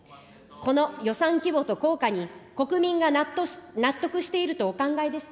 この予算規模と効果に、国民が納得しているとお考えですか。